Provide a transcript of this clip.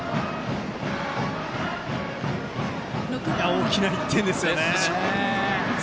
大きな１点ですよね。